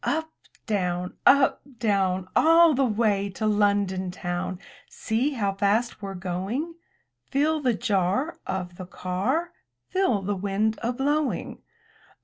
Up, down! Up, down! All the way to London town — See how fast we're going! Feel the jar Of the car? Feel the wind a blowing?